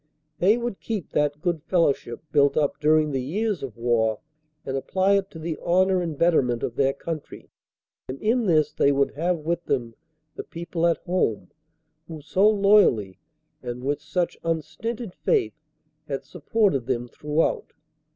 They would keep that good fellowship built up during the years of war and apply it to the honor and better ment of their country, and in this they would have with them the people at home who so loyally and with such unstinted faith had supported them throughout.